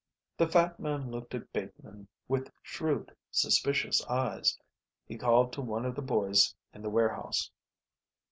The fat man looked at Bateman with shrewd, suspicious eyes. He called to one of the boys in the warehouse.